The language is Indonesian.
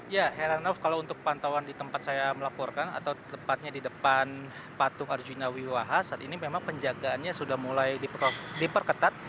ya heranov kalau untuk pantauan di tempat saya melaporkan atau tepatnya di depan patung arjuna wiwaha saat ini memang penjagaannya sudah mulai diperketat